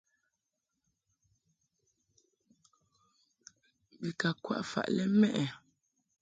Bi ka kwaʼ faʼ lɛ mɛʼ ɛ ?